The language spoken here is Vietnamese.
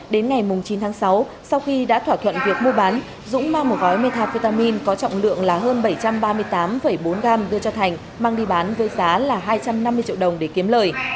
đến ngày chín tháng sáu sau khi đã thỏa thuận việc mua bán dũng mang một gói metafetamin có trọng lượng là hơn bảy trăm ba mươi tám bốn gram đưa cho thành mang đi bán với giá là hai trăm năm mươi triệu đồng để kiếm lời